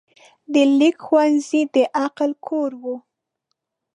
د لیک ښوونځی د عقل کور و.